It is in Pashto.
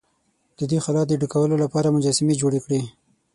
د دې خلا د ډکولو لپاره مجسمې جوړې کړې.